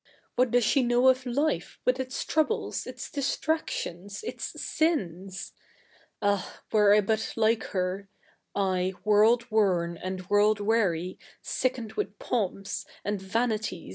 What does she know of life, with its troubles, its distractio?is, its sins ? Ah I were I hut like her —/, world worn and world weary, sickened with poinps, and vanities^ a?